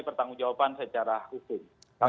pertanggung jawaban secara khusus